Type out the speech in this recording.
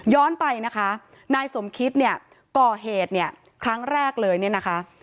ไปนะคะนายสมคิตเนี่ยก่อเหตุเนี่ยครั้งแรกเลยเนี่ยนะคะ